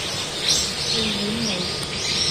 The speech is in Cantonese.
戲院里